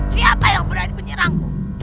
siapa yang berani menyerangku